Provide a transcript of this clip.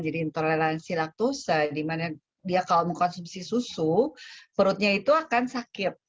jadi intoleransi laktosa di mana dia kalau mengkonsumsi susu perutnya itu akan sakit